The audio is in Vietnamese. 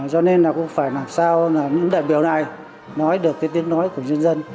do nên cũng phải làm sao những đại biểu này nói được cái tiếng nói của nhân dân